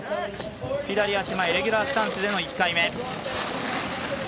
左足前レギュラースタンスでの１回目。